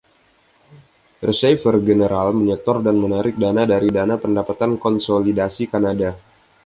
Receiver General menyetor dan menarik dana dari Dana Pendapatan Konsolidasi Kanada.